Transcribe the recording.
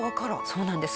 そうなんです。